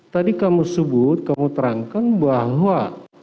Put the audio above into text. tadi kamu sebut kamu terangkan bahwa